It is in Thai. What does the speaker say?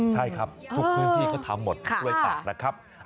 ใช่ครับทุกพื้นที่เขาทำหมดกล้วยตากนะครับ